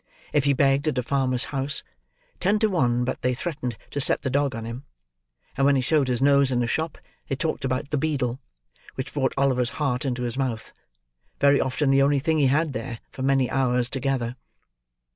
If he begged at a farmer's house, ten to one but they threatened to set the dog on him; and when he showed his nose in a shop, they talked about the beadle—which brought Oliver's heart into his mouth,—very often the only thing he had there, for many hours together.